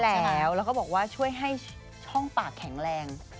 แล้วแล้วก็บอกว่าช่วยให้ช่องปากแข็งแรง